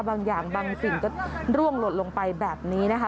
บางอย่างบางสิ่งก็ร่วงหล่นลงไปแบบนี้นะคะ